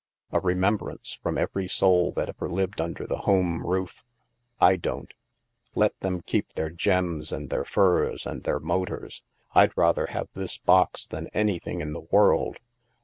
" A remembrance from every soul that ever lived under the home roof? I don't Let them keep their gems and their furs and their motors! Fd rather have this box than anything in the world.